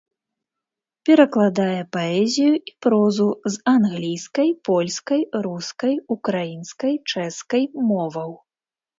Перакладае паэзію і прозу з англійскай, польскай, рускай, украінскай, чэшскай моваў.